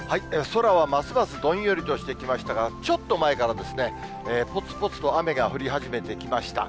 空はますますどんよりとしてきましたが、ちょっと前からぽつぽつと雨が降り始めてきました。